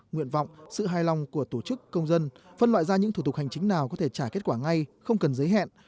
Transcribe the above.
nguyện vọng sự hài lòng của tổ chức công dân phân loại ra những thủ tục hành chính nào có thể trả kết quả ngay không cần giới hẹn